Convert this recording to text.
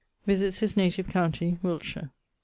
<_Visits his native county, Wiltshire.